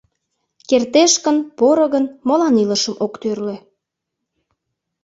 Кертеш гын, поро гын, молан илышым ок тӧрлӧ.